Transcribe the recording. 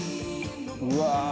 うわ。